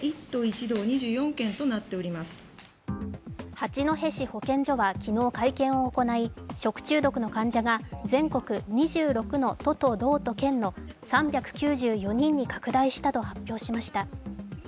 八戸市保健所は昨日会見を行い、食中毒の患者が全国２６の都と道と県の３９４人に拡大したと発表しました。